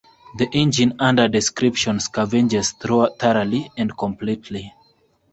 The engine under description scavenges thoroughly and completely.